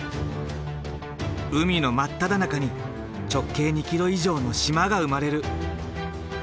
海の真っただ中に直径２ｋｍ以上の島が生まれる。